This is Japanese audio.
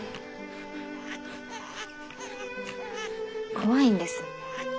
怖いんです。